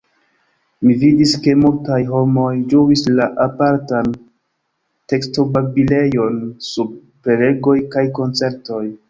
Mi vidis ke multaj homoj ĝuis la apartan tekstobabilejon sub prelegoj kaj koncertoj.